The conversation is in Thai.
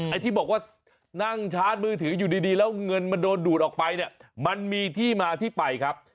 ไอ้ที่บอกว่านั่งชาร์จมือถืออยู่ดีแล้วเงินมันโดนดูดออกไปเนี่ยมันมีที่มาที่ไปครับ